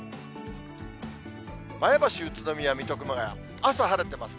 前橋、宇都宮、水戸、熊谷、朝晴れてますね。